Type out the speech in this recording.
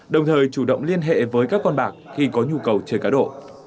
đồng thời chủ động liên hệ với các con bạc khi có nhu cầu chơi cá độ